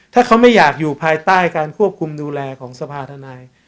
ถ้าเขาไม่อยากอยู่ภายใต้การควบคุมดูแลของสภาธนาย